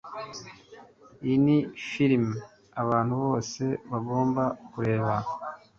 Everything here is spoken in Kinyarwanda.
Iyi ni firime abantu bose bagomba kureba.